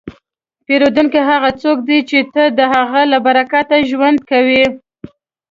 پیرودونکی هغه څوک دی چې ته د هغه له برکته ژوند کوې.